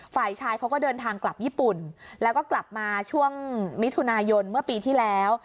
ฝ่ายชายเขาก็เดินทางกลับญี่ปุ่นแล้วก็กลับมาช่วงมิถุนายนเมื่อปีที่แล้ว